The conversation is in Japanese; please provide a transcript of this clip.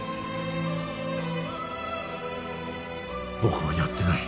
僕はやってない。